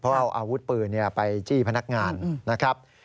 เพราะเอาอาวุธปืนไปจี้พนักงานนะครับ